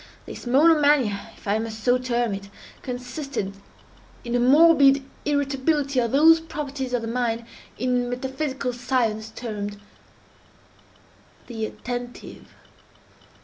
This monomania, if I must so term it, consisted in a morbid irritability of those properties of the mind in metaphysical science termed the attentive.